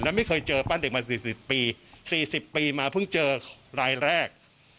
และไม่เคยเจอป้าเด็กมา๔๐ปี๔๐ปีมาเพิ่งเจอรายแรก